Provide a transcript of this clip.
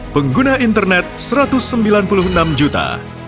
pengguna internet satu ratus sembilan puluh enam juta